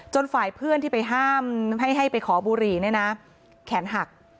ฝ่ายเพื่อนที่ไปห้ามให้ไปขอบุหรี่เนี่ยนะแขนหัก